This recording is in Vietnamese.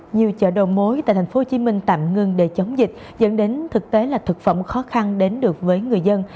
nhiều chợ đầu mối tại tp hcm tạm ngưng để chống dịch dẫn đến thực tế là thực phẩm khó khăn đến được với người dân